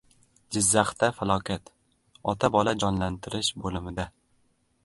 Jizzaxda falokat: ota-bola jonlantirish bo‘limida